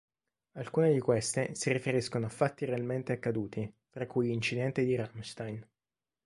Alcune di queste si riferiscono a fatti realmente accaduti, tra cui l'incidente di Ramstein.